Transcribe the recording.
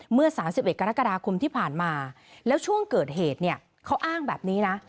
เมื่อ๓๑กรกฎาคมที่ผ่านมาแล้วช่วงเกิดเหตุเนี่ยเขาอ้างแบบนี้นะ